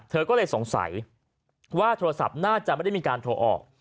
เธอก็เลยสงสัยว่าโทรศัพท์น่าจะไม่ได้มีการโทรออก